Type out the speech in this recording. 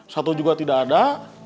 satu juga tidak ada